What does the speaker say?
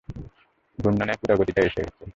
ঘূর্ণনের পুরো গতিটা এসে গেছে!